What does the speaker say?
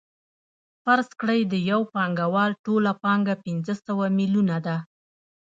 فرض کړئ د یو پانګوال ټوله پانګه پنځه سوه میلیونه ده